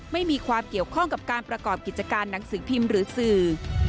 ไม่มีความเกี่ยวข้องกับการประกอบกิจการหนังสือพิมพ์หรือสื่อ